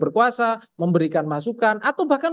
berkuasa memberikan masukan atau bahkan